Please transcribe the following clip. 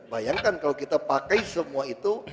bayangkan kalau kita pakai semua itu